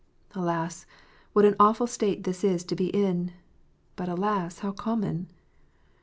Alas, what an awful state this is to be in ! But, alas, how common